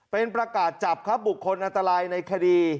เป็นประกาศจับครับบุคคลอันตรายในคดี